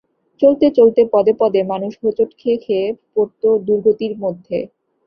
চলতে চলতে পদে পদে মানুষ হোঁচট খেয়ে খেয়ে পড়ত দুর্গতির মধ্যে।